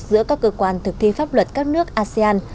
giữa các cơ quan thực thi pháp luật các nước asean